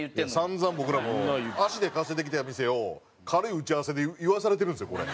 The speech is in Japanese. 散々僕らも足で稼いできた店を軽い打ち合わせで言わされてるんですよこれ。